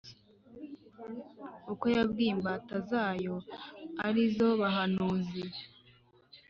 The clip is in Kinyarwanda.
uko yabwiye imbata zayo ari zo bahanuzi.”